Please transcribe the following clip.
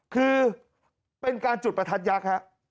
คือเป็นการจุดประทัดยักษ์ฮะ